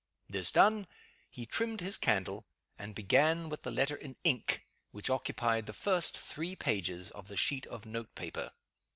This done, he trimmed his candle, and began with the letter in ink, which occupied the first three pages of the sheet of note paper.